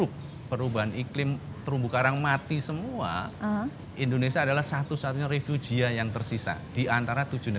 tapi kalau kita menurut perubahan iklim terumbu karang mati semua indonesia adalah satu satunya refugia yang tersisa di antara tujuh negara